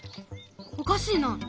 おかしいな。